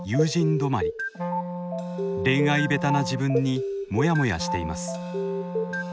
どまり恋愛下手な自分にモヤモヤしています。